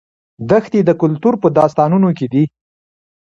دښتې د کلتور په داستانونو کې دي.